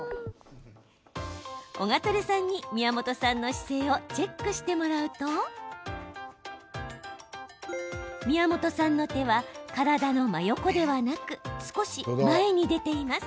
オガトレさんに、宮本さんの姿勢をチェックしてもらうと宮本さんの手は体の真横ではなく少し前に出ています。